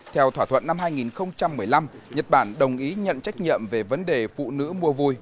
theo thỏa thuận năm hai nghìn một mươi năm nhật bản đồng ý nhận trách nhiệm về vấn đề phụ nữ mua vui